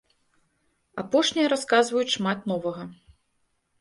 Апошнія расказваюць шмат новага.